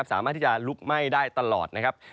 สามารถที่จะลุกไหม้ได้ตลอดนะครับ